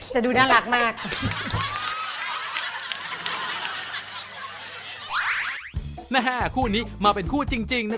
จะคลิกคลุคลิกคลุ